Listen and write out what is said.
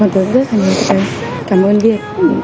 hoàn tất cũng rất là nhiều cảm ơn việt